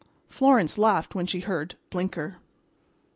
Florence laughed when she heard "Blinker."